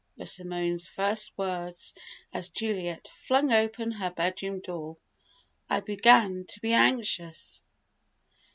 were Simone's first words as Juliet flung open her bedroom door. "I began to be anxious."